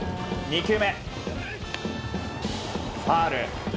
２球目、ファウル。